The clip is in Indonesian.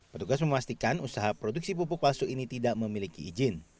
petugas memastikan usaha produksi pupuk palsu ini tidak memiliki izin